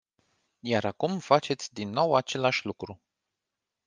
Iar acum faceți din nou același lucru.